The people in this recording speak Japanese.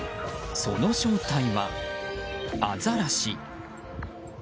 その正体は、アザラシ。